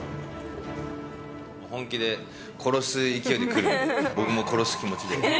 本気で殺す勢いで来るんで、僕も殺す気持ちで。